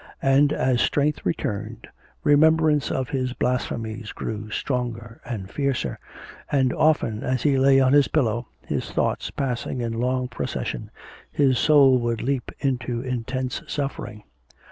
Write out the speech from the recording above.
And as strength returned, remembrance of his blasphemies grew stronger and fiercer, and often as he lay on his pillow, his thoughts passing in long procession, his soul would leap into intense suffering.